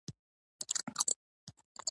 د محصل ژوند کې مینه هم راښکاره کېږي.